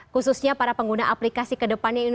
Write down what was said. khususnya para pengguna aplikasi kedepannya ini